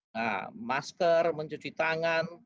nah masker mencuci tangan